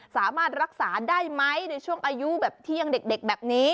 สามารถรักษาได้ไหมในช่วงอายุแบบเที่ยงเด็กแบบนี้